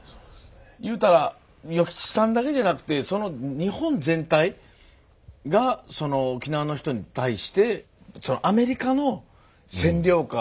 言うたら与吉さんだけじゃなくて日本全体が沖縄の人に対してアメリカの占領下。